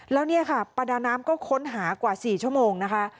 แล้วเนี่ยค่ะประดาน้ำก็ค้นหากว่า๔ชั่วโมงนะคะ